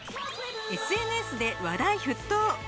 ＳＮＳで話題沸騰！